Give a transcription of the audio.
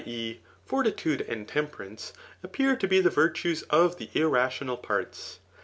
e. fortitude and temperance] appear to be the virtues of the irrational parts.